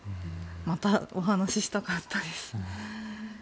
またお話ししたかったです。